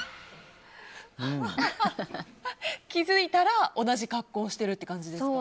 気づいたら同じ格好をしているという感じですか？